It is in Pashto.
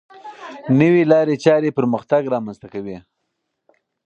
نوې لارې چارې پرمختګ رامنځته کوي.